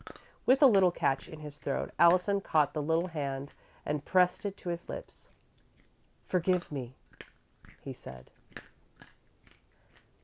With a little catch in his throat, Allison caught the little hand and pressed it to his lips. "Forgive me!" he said.